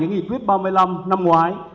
những nghị quyết ba mươi năm năm ngoái